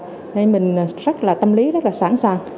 thế mình rất là tâm lý rất là sẵn sàng